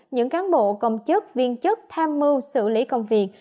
những cán bộ công chức viên chức tham mưu xử lý công việc